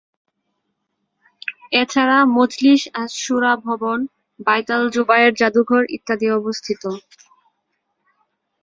এছাড়া মজলিস আস সূরা ভবন, বাইত আল জুবায়ের জাদুঘর ইত্যাদি অবস্থিত।